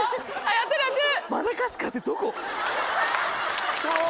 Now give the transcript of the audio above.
やってるやってる！